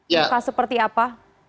luka seperti apa